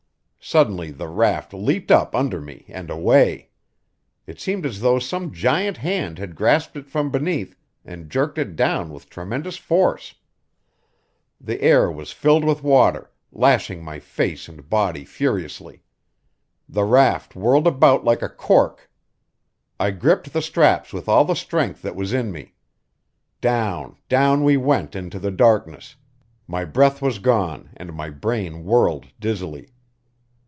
Suddenly the raft leaped up under me and away. It seemed as though some giant hand had grasped it from beneath and jerked it down with tremendous force. The air was filled with water, lashing my face and body furiously. The raft whirled about like a cork. I gripped the straps with all the strength that was in me. Down, down we went into the darkness; my breath was gone and my brain whirled dizzily.